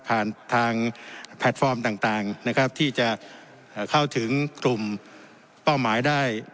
ผ่านทางแพลตฟอร์มต่างนะครับที่จะเข้าถึงกลุ่มเป้าหมายได้